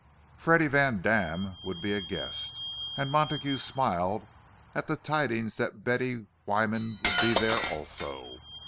Freddie Vandam would be a guest—and Montague smiled at the tidings that Betty Wyman would be there also.